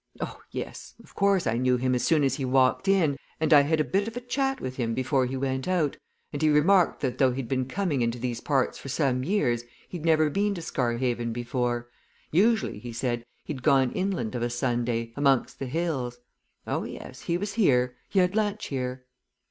Oh, yes! of course I knew him as soon as he walked in, and I had a bit of chat with him before he went out, and he remarked that though he'd been coming into these parts for some years, he'd never been to Scarhaven before usually, he said, he'd gone inland of a Sunday, amongst the hills. Oh, yes, he was here he had lunch here."